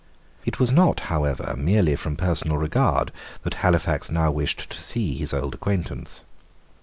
It was not, however, merely from personal regard that Halifax now wished to see his old acquaintance.